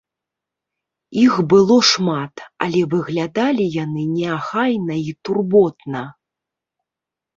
Іх было шмат, але выглядалі яны неахайна і турботна.